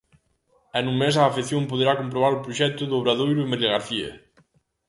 E nun mes a afección poderá comprobar o proxecto do Obradoiro en Vilagarcía.